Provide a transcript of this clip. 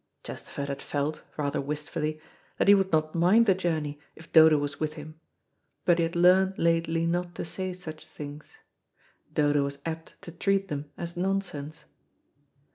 Chesterford had felt, rather wistfully, that he would not mind the journey if Dodo was with him, but he had learned lately not to say such things. Dodo was apt to treat them as nonsense.